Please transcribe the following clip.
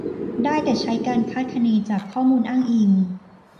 ได้แต่ใช้การคาดคะเนจากข้อมูลอ้างอิง